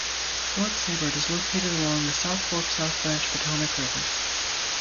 Fort Seybert is located along the South Fork South Branch Potomac River.